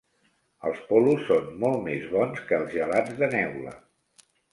Els polos són molt més bons que els gelats de neula.